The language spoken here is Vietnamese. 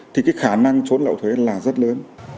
thì cái khả năng trốn lậu thuế là rất lớn